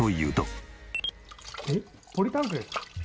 えっポリタンクですか？